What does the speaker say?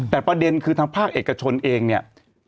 แต่ประเด็นคือทางภาคเอกชนเองเนี่ย